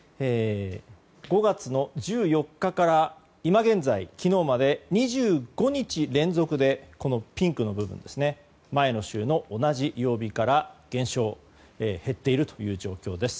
５月１４日から今現在、昨日まで２５日連続でピンクの部分ですね前の週の同じ曜日から減少、減っているという状況です。